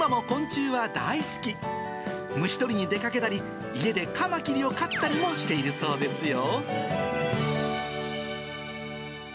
虫取りに出かけたり、家でカマキリを飼ったりもしているそうですよ。